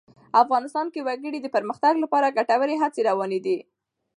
افغانستان کې د وګړي د پرمختګ لپاره ګټورې هڅې روانې دي.